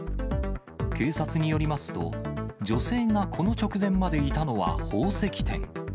警察によりますと、女性がこの直前までいたのは宝石店。